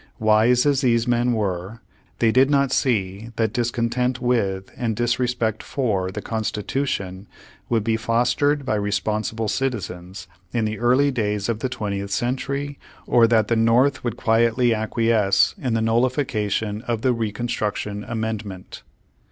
Wise as these men were, they did not see that discontent with and disrespect for the Constitution, would be fostered by responsible citizens, in the early days of the twentieth century, or that the North would 25 Page One Hundred ninety four quietly acquiesce in the nullification of the Re construction Amendment.